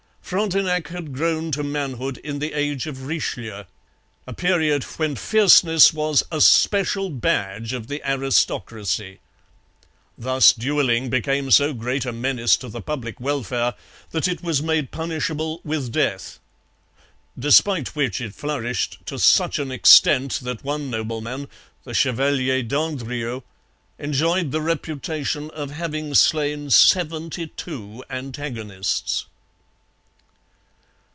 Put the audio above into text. Frontenac had grown to manhood in the age of Richelieu, a period when fierceness was a special badge of the aristocracy. Thus duelling became so great a menace to the public welfare that it was made punishable with death; despite which it flourished to such an extent that one nobleman, the Chevalier d'Andrieux, enjoyed the reputation of having slain seventy two antagonists.